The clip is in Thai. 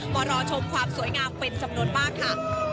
มารอชมความสวยงามเป็นจำนวนมากค่ะ